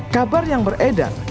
kabar yang beredar